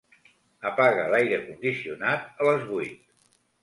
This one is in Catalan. Apaga l'aire condicionat a les vuit.